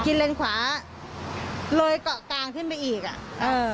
เลนขวาเลยเกาะกลางขึ้นไปอีกอ่ะเออ